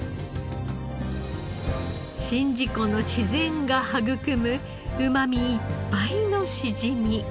宍道湖の自然が育むうまみいっぱいのしじみ。